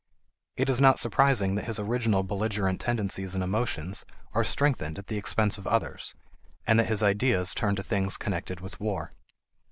It is not surprising that his original belligerent tendencies and emotions are strengthened at the expense of others, and that his ideas turn to things connected with war.